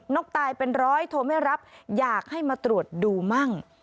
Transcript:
กตายเป็นร้อยโทรไม่รับอยากให้มาตรวจดูมั่ง